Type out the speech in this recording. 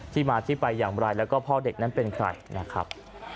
ที่มาที่ไปอย่างไรแล้วก็พ่อเด็กนั้นเป็นใครนะครับ